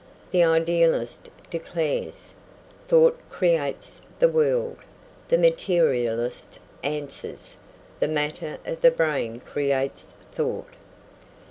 The idealist declares: "Thought creates the world." The materialist answers: "The matter of the brain creates thought."